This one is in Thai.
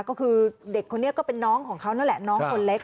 ก็คือเด็กคนนี้ก็เป็นน้องของเขานั่นแหละน้องคนเล็ก